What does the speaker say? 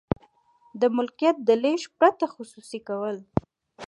د ملکیت د لیږد پرته خصوصي کول.